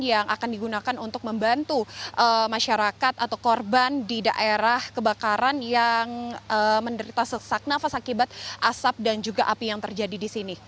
yang akan digunakan untuk membantu masyarakat atau korban di daerah kebakaran yang menderita sesak nafas akibat asap dan juga api yang terjadi di sini